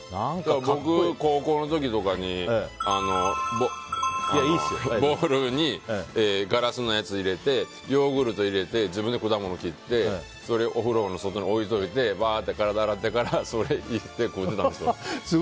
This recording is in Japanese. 高校の時とかにボウルにガラスのやつ入れてヨーグルト入れて自分で果物切ってそれをお風呂の外に置いておいて体を洗ってから食べてたんですよ。